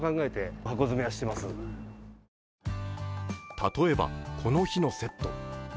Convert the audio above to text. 例えば、この日のセット。